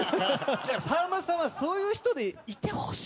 ⁉さんまさんはそういう人でいてほしいんだ。